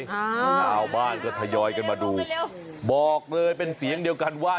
ชาวบ้านก็ทยอยกันมาดูบอกเลยเป็นเสียงเดียวกันว่า